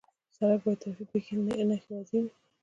سړک کې باید ټرافیکي نښې واضح وي.